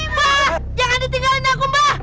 mbak jangan ditinggalin aku mbak